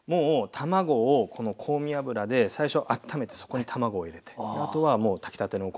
卵をこの香味油で最初あっためてそこに卵を入れてあとはもう炊きたてのお米。